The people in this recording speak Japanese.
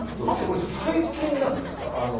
あと、最近なんですか？